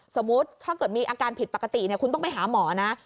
ถ้าเกิดมีอาการผิดปกติคุณต้องไปหาหมอนะ